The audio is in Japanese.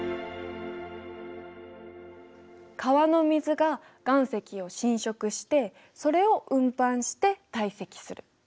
川の水が岩石を侵食してそれを運搬して堆積する。